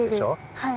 はい。